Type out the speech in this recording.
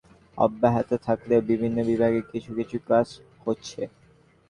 এদিকে শিক্ষকদের আন্দোলন অব্যাহত থাকলেও বিভিন্ন বিভাগের কিছু কিছু ক্লাস হচ্ছে।